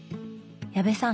矢部さん